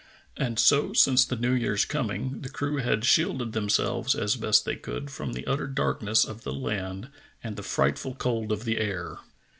And so since the New Year's coming the crew had shielded themselves as best they could from the utter darkness of the land and the frightful cold of the air.